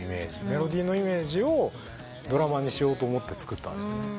メロディーのイメージをドラマにしようと思って作った。